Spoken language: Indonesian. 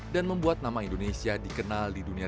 dan membuat nama indonesia dikenal di dunia